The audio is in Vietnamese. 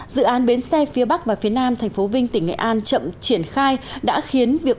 dự án bến xe phía bắc và phía nam tp vinh tỉnh nghệ an chậm triển khai đã khiến việc